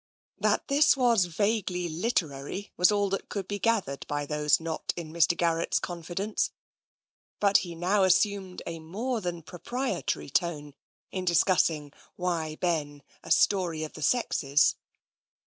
That this was vaguely literary was all that could be gathered by those not in Mr. Garrett's confidence, but he now assumed a more than proprietary tone in dis cussing "Why, Ben! A Story of the Sexes."